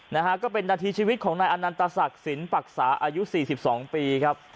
นะฮะก็เป็นนาทีชีวิตของนายอนันตศักดิ์สินปรักษาอายุสี่สิบสองปีครับ